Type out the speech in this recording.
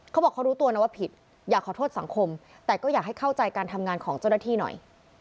เขาบอกเขารู้ตัวนะว่าผิดอยากขอโทษสังคมแต่ก็อยากให้เข้าใจการทำงานของเจ้าหน้าที่หน่อย